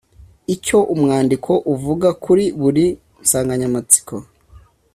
icyo umwandiko uvuga kuri buri nsanganyamatsiko